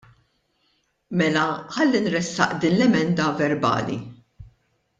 Mela ħalli nressaq din l-emenda verbali.